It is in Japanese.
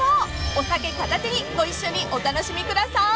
［お酒片手にご一緒にお楽しみください］